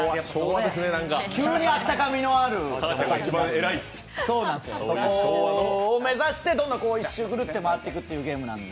急にあったかみのあるそこを目指してどんどん１周回っていくゲームなんで。